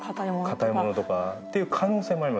硬いものとかっていう可能性もあります。